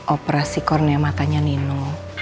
operasi kornea matanya nino